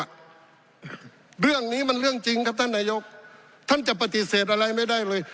เรื่องนี้มันเรื่องจริงครับท่านนายกท่านจะปฏิเสธอะไรไม่ได้เลย